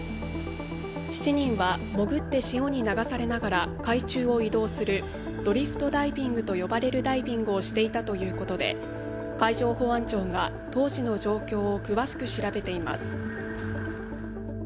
７人は潜って潮に流されながら海中移動するドリフトダイビングと呼ばれるダイビングをしていたということで海上保安庁が当時の状況を詳しく調べています。